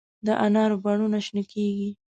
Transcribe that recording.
د انارو بڼونه شنه کیږي